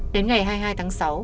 đến ngày hai mươi hai tháng sáu